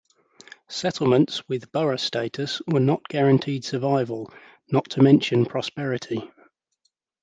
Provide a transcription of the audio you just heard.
Settlements with borough status were not guaranteed survival, not to mention prosperity.